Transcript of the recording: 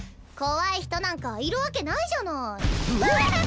怖い人なんかいるわけないじゃない。